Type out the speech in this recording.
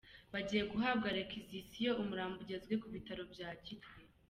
Bagiye guhabwa requisition umurambo ugezwe kubitaro bya Gitwe.